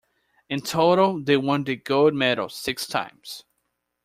In total, they won the gold medal six times.